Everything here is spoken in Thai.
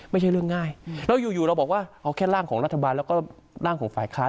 ไม่ใช่เรื่องง่ายแล้วอยู่เราบอกว่าเอาแค่ร่างของรัฐบาลแล้วก็ร่างของฝ่ายค้าน